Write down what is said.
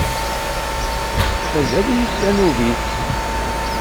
Mazal-iyi d tanubit.